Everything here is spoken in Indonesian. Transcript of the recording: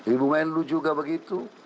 ibu mainlu juga begitu